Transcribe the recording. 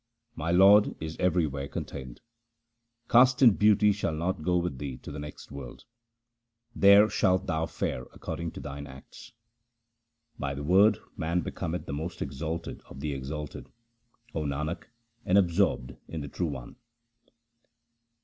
My Lord is everywhere contained. Caste and beauty shall not go with thee to the next world : There shalt thou fare according to thine acts. THE SIKH RELIGION By the Word man becometh the most exalted of the exalted, O Nanak, and absorbed in the True One.